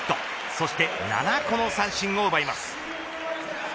そして７個の三振を奪います。